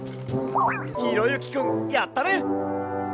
ひろゆきくんやったね！